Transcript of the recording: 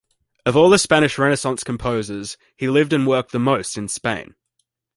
Of all the Spanish Renaissance composers, he lived and worked the most in Spain.